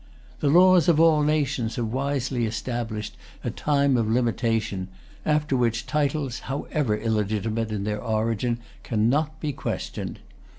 The laws of all nations have wisely established a time of limitation, after which titles, however illegitimate in their origin, cannot be questioned.